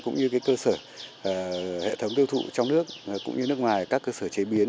cũng như cơ sở hệ thống tiêu thụ trong nước cũng như nước ngoài các cơ sở chế biến